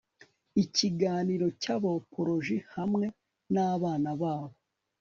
ikiganiro cya bopologi hamwe nabana babo